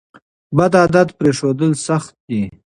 بد عادت پریښودل سخت دي.